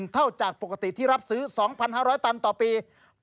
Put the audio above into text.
เท่าจากปกติที่รับซื้อ๒๕๐๐ตันต่อปี